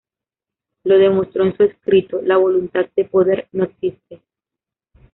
Lo demostró en su escrito: ""La voluntad de poder" no existe".